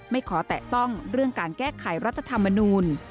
ขอแตะต้องเรื่องการแก้ไขรัฐธรรมนูล